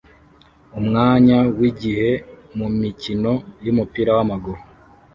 Umwanya-wigihe mumikino yumupira wamaguru